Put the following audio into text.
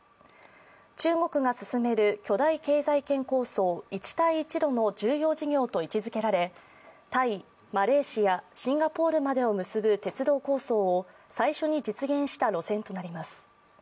中国が進める巨大経済圏構想、一帯一路の重要事業と位置づけられタイ、マレーシア、シンガポールまでを結ぶ鉄道構想を最初に実現した路線となります。